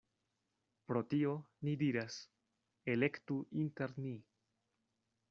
Pro tio, ni diras: elektu inter ni.